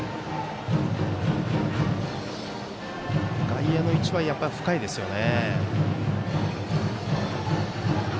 外野の位置は深いですよね。